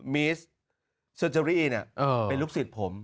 มีสเซอร์เจอรี่เป็นลูกศิษย์ผม